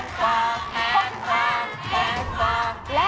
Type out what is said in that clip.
แพงกว่า